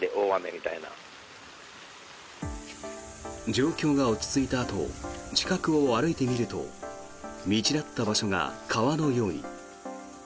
状況が落ち着いたあと近くを歩いてみると道だった場所が川のように。